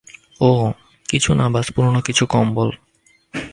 ওহ, কিছু না ব্যস পুরোনো কিছু কম্বল।